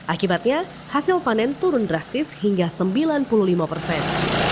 akibatnya hasil panen turun drastis hingga sembilan puluh lima persen